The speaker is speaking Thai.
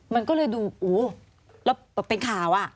มันก็เลยดูอู้แล้วเป็นข่าวอ่ะ